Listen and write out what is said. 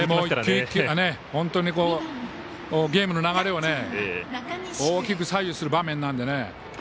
一球一球がゲームの流れを大きく左右する場面なのでね。